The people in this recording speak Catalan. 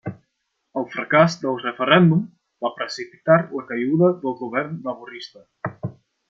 El fracàs del referèndum va precipitar la caiguda del govern laborista.